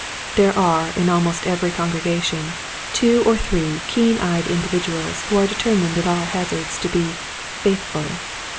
There are in almost every congregation two or three keen eyed individuals who are determined at all hazards to be "faithful."